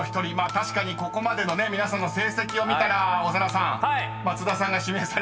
確かにここまでのね皆さんの成績を見たら長田さん津田さんが指名されるのは］